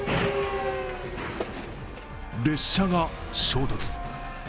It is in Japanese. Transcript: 列車が衝突。